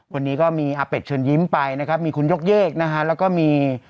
วันนี้ก็มีอาเป็ดเชิญยิ้มไปนะครับมีคุณยกเยกนะฮะแล้วก็มี